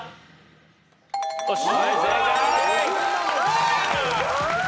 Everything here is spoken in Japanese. よし。